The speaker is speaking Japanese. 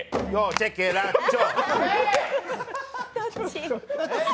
チェケラッチョ。